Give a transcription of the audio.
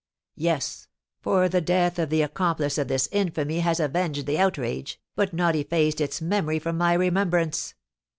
Yes; for the death of the accomplice of this infamy has avenged the outrage, but not effaced its memory from my remembrance.